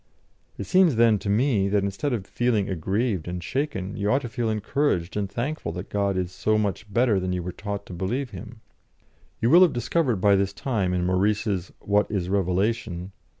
It seems then, to me, that instead of feeling aggrieved and shaken, you ought to feel encouraged and thankful that God is so much better than you were taught to believe Him. You will have discovered by this time in Maurice's 'What is Revelation?'